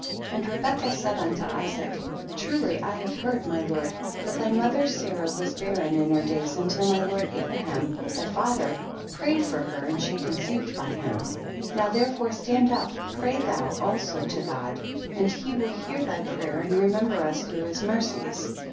2. And Rebecca said unto Isaac, truly I have heard, my lord, that tiiy mother Sarah was barren in her days until my lord Abraham, thy father, prayed for her and she con ceived by him. 3. Now therefore stand up, pray thou also to God and he will hear thy prayer and remember us through his mercies.